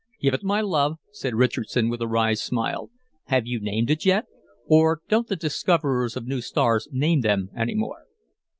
"Give it my love," said Richardson with a wry smile. "Have you named it yet? Or don't the discoverers of new stars name them any more?